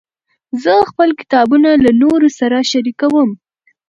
زه خپل کتابونه له نورو سره شریکوم.